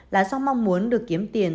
là do mong muốn được kiếm tiền